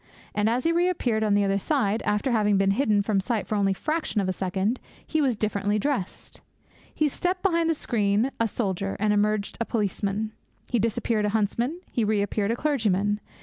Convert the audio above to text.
And as he reappeared on the other side, after having been hidden from sight for only a fraction of a second, he was differently dressed. He stepped behind the screen a soldier, and emerged a policeman. He disappeared a huntsman, he reappeared a clergyman.